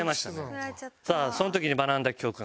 さあその時に学んだ教訓